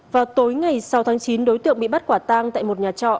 vào tối ngày sáu tháng chín đối tượng bị bắt quả tang tại một nhà trọ